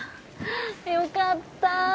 よかった。